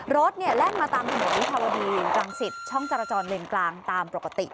รถเนี่ยแลกมาตามถนนอุทธวดีกังศิษย์ช่องจราจรเลงกลางตามปกติ